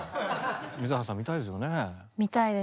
水原さん見たいですよねえ？